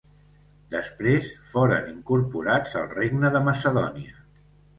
Després foren incorporats al regne de Macedònia.